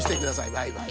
バイバイ。